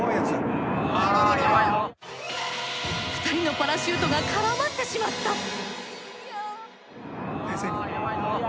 ２人のパラシュートが絡まってしまった。